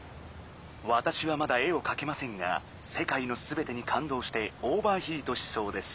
「わたしはまだ絵をかけませんがせかいのすべてにかんどうしてオーバーヒートしそうです」。